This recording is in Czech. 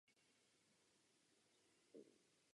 Leží na ose National Mall ve Washingtonu.